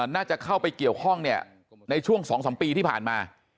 น่าจะเข้าไปเกี่ยวข้องเนี่ยในช่วง๒๓ปีที่ผ่านมา